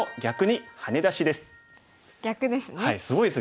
逆ですね。